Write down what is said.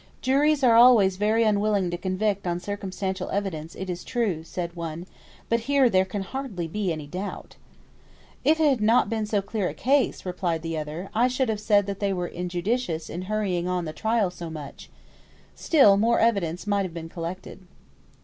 "Juries are always very unwilling to convict on circumstantial evidence, it is true," said one, "but here there can hardly be any doubt." "If it had not been so clear a case," replied the other, "I should have said they were injudicious in hurrying on the trial so much. Still, more evidence might have been collected."